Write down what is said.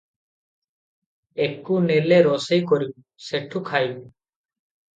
ଏକୁ ନେଲେ ରୋଷେଇ କରିବୁ, ସେଠୁ ଖାଇବୁଁ ।